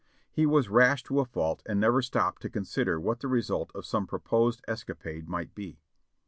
He was rash to a fault and never stopped to consider what the result of some proposed escapade might be.